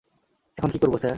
এখন কী করবো, স্যার?